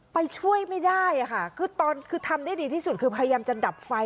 ไปช่วยไม่ได้ค่ะคือตอนคือทำได้ดีที่สุดคือพยายามจะดับไฟ